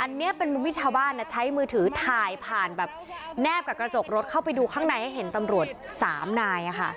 อันนี้เป็นมุมที่ชาวบ้านใช้มือถือถ่ายผ่านแบบแนบกับกระจกรถเข้าไปดูข้างในให้เห็นตำรวจสามนายค่ะ